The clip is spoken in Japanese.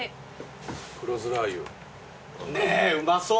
ねえうまそう！